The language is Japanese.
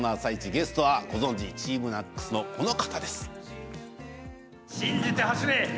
ゲストはご存じＴＥＡＭＮＡＣＳのあの方です。